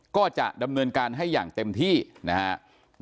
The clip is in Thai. ก็จะดำเนินการให้อย่างเต็มที่นะครับ